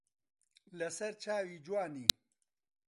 لە سەر چاوی جوانی